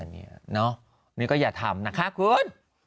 นี่ก็อย่าทำนะคะคุณ